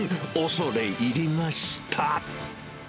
恐れ入りました。